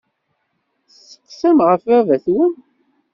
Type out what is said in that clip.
Tesseqsam ɣef baba-twen.